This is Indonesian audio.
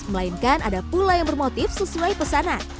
melainkan ada pula yang bermotif sesuai pesanan